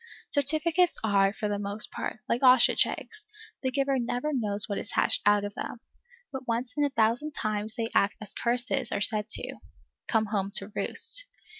Certificates are, for the most part, like ostrich eggs; the giver never knows what is hatched out of them. But once in a thousand times they act as curses are said to, come home to roost.